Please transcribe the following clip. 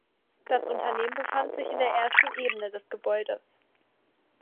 Das Unternehmen befand sich in der ersten Ebene des Gebäudes.